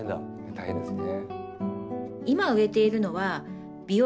大変ですね。